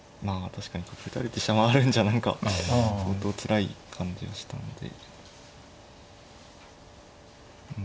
確かに打たれて飛車回るんじゃ何か相当つらい感じはしたんで。